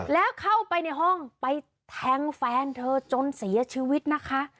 แล้วเข้าไปในห้องไปแทงแฟนเธอจนเสียชีวิตนะคะ